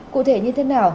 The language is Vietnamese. cụ thể như thế nào